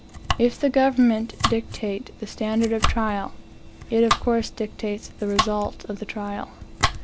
If the government dictate the standard of trial, it of course dictates the results of the trial.